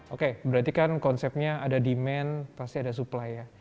oke berarti kan konsepnya ada demand pasti ada supply ya